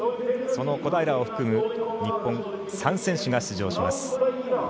その小平を含む日本３選手が出場します。